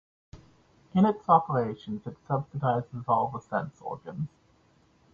In its operations, it subsidizes all the sense-organs.